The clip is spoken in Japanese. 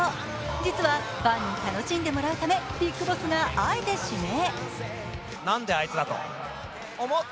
実はファンに楽しんでもらうためＢＩＧＢＯＳＳがあえて指名。